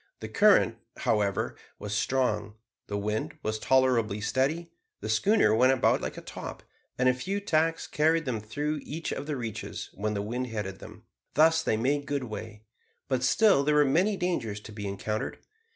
The current, however, was strong, the wind was tolerably steady, the schooner went about like a top, and a few tacks carried them through each of the reaches, when the wind headed them. Thus they made good way; but still there were many dangers to be encountered.